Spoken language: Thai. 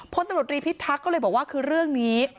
พตพิทธักษ์ก็เลยบอกว่าคือเรื่องนี้